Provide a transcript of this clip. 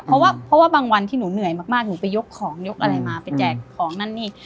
เพราะว่าเพราะว่าบางวันที่หนูเหนื่อยมากหนูไปยกของยกอะไรมาไปแจกของนั่นนี่